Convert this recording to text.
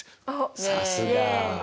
さすが。